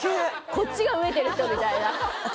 こっちが飢えてる人みたいな私